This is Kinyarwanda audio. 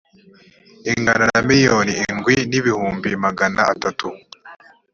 ingana na miliyoni indwi n ibihumbi magana atatu